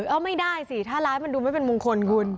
เอาไม่ได้สิถ้าร้ายมันดูไม่เป็นมงคลคุณ